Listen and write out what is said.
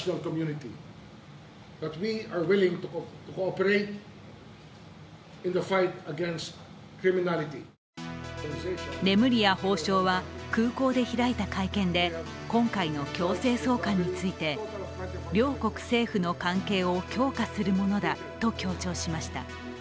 レムリヤ法相は空港で開いた会見で今回の強制送還について両国政府の関係を強化するものだと強調しました。